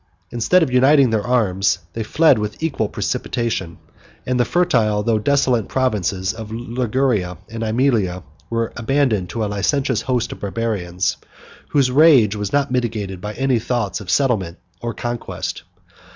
Instead of uniting their arms, they fled with equal precipitation; and the fertile, though desolate provinces of Liguria and Aemilia, were abandoned to a licentious host of Barbarians, whose rage was not mitigated by any thoughts of settlement or conquest.